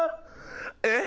えっ？